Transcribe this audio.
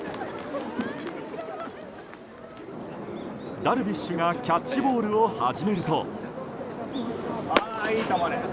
ダルビッシュがキャッチボールを始めると。